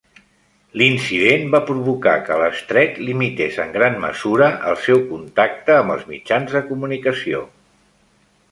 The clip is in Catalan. L'incident va provocar que l'estret limités en gran mesura el seu contacte amb els mitjans de comunicació.